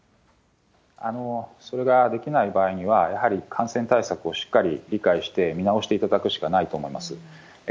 それができない場合には、やはり感染対策をしっかり理解して、見直していただくしかないと思います。